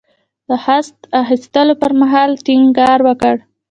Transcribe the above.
د خصت اخیستلو پر مهال ټینګار وکړ.